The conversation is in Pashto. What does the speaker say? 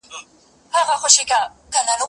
زه اوس د زده کړو تمرين کوم!.